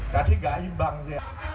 jadi gak imbang